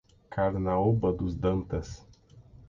Carnaúba dos Dantas